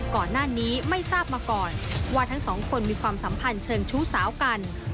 ก่อนหน้านี้ไม่ทราบมาก่อนว่าทั้งสองคนมีความสัมพันธ์เชิงชู้สาวกัน